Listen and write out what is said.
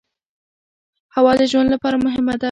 هوا د ژوند لپاره مهمه ده.